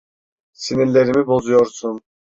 Sinirlerimi bozuyorsun.